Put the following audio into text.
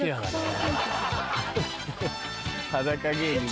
裸芸人だ。